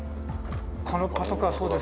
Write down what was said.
このパトカーそうです。